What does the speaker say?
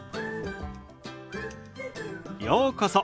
ようこそ。